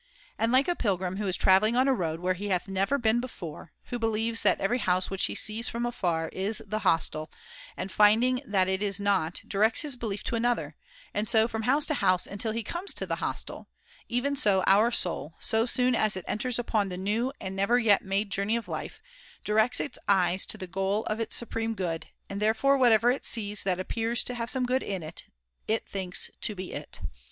And like a pilgrim who is travelling on a road where he hath never been before, who believes that every house which he sees from afar is the hostel, and finding that it is not directs his [^150] belief to another, and so from house to house until he comes to the hostel ; even so our soul, so soon as it enters upon the new and never yet made journey of life, directs its eyes to the goal of its supreme good, and therefore whatever it sees that appears to have some good in it, it thinks to be it.